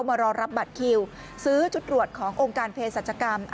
มารอรับบัตรคิวซื้อชุดตรวจขององค์การเพศรัชกรรม